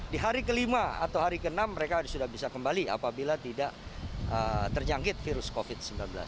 di hari kelima atau hari ke enam mereka sudah bisa kembali apabila tidak terjangkit virus covid sembilan belas